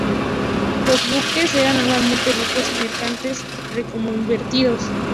Los buques, eran normalmente buques mercantes reconvertidos.